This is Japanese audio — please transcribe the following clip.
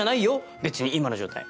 別に今の状態。